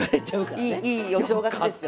いいお正月ですよ。